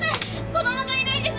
子供がいないんです！